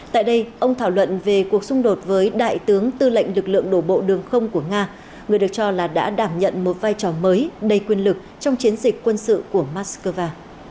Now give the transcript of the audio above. tại đây ông thảo luận về cuộc xung đột với đại tướng tư lệnh lực lượng đổ bộ đường không của nga người được cho là đã đảm nhận một vai trò mới đầy quyền lực trong chiến dịch quân sự của moscow